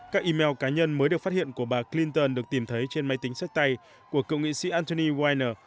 các email cá nhân mới được phát hiện của bà clinton được tìm thấy trên máy tính sách tay của cựu nghị sĩ antony winner